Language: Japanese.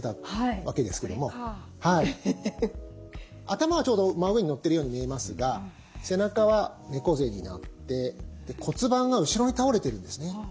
頭はちょうど真上にのってるように見えますが背中は猫背になって骨盤が後ろに倒れてるんですね。